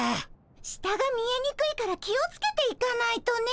下が見えにくいから気を付けて行かないとね。